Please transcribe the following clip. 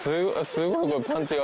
すごいパンチが。